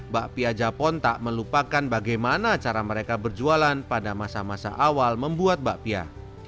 bapia japon tak melupakan bagaimana cara mereka berjualan pada masa masa awal membuat bapia